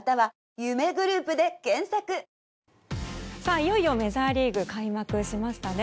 いよいよメジャーリーグ開幕しましたね。